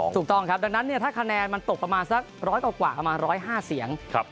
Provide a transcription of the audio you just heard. ถูกต้องครับดังนั้นถ้าคะแนนมันตกประมาณสัก๑๐๐กว่าประมาณ๑๐๕เสียง